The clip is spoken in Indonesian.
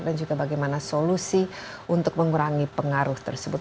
dan juga bagaimana solusi untuk mengurangi pengaruh tersebut